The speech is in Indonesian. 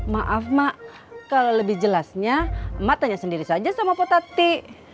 maaf mak kalau lebih jelasnya mak tanya sendiri saja sama potati